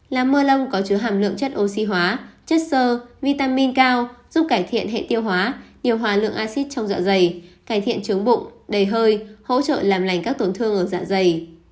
là mưa lông có chứa hàm lượng chất oxy hóa chất sơ vitamin cao giúp cải thiện hệ tiêu hóa điều hòa lượng acid trong dạ dày cải thiện chướng bụng đầy hơi hỗ trợ làm lành các tổn thương ở dạ dày